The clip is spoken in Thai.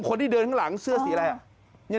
คนที่เดินข้างหลังเสื้อสีอะไรอ่ะ